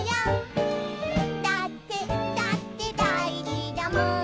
「だってだってだいじだもん」